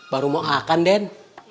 baru mau akan den